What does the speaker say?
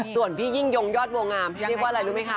ส่วนพี่ยิ่งยงยอดบัวงามพี่เรียกว่าอะไรรู้ไหมคะ